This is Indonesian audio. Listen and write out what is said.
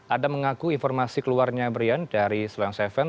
adam mengaku informasi keluarnya brian dari slang tujuh